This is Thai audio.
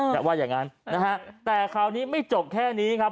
แต่ว่าอย่างงั้นนะฮะแต่คราวนี้ไม่จบแค่นี้ครับ